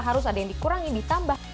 harus ada yang dikurangi ditambah